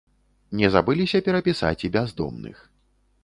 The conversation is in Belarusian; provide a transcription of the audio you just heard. Не забыліся перапісаць і бяздомных.